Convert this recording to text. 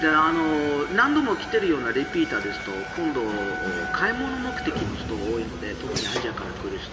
何度も来ているようなリピーターだと今度、買い物目的の人が多いので特にアジアから来る人。